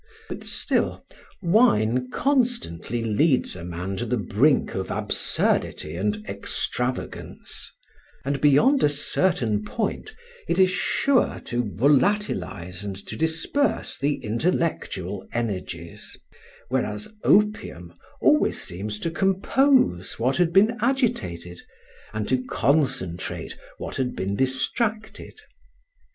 But still, wine constantly leads a man to the brink of absurdity and extravagance, and beyond a certain point it is sure to volatilise and to disperse the intellectual energies: whereas opium always seems to compose what had been agitated, and to concentrate what had been distracted.